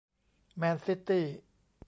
แมนซิตี้